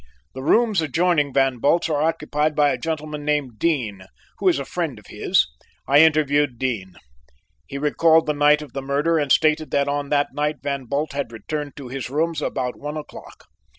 The rooms adjoining Van Bult's are occupied by a gentleman named Dean, who is a friend of his. I interviewed Dean. He recalled the night of the murder and stated that on that night Van Bult had returned to his rooms about one o'clock.